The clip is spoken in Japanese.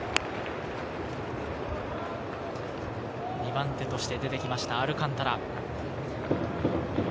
２番手として出てきました、アルカンタラ。